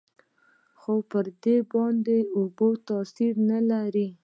خو پر دې باندې اوبه تاثير نه لري.